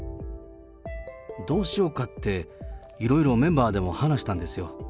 どうしようかって、いろいろメンバーでも話したんですよ。